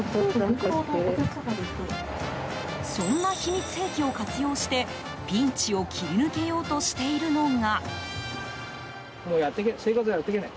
そんな秘密兵器を活用してピンチを切り抜けようとしているのが。